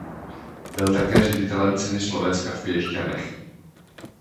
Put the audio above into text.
Byl také ředitelem Ceny Slovenska v Piešťanech.